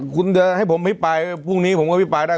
คุณจะให้ผมพิปรายพรุ่งนี้ผมอภิปรายได้